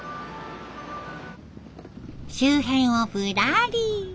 周辺をぶらり。